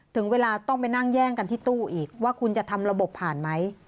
ถึงเวลาต้องไปนั่งแย่งกันที่ตู้อีกว่าคุณจะทำระบบผ่านไหม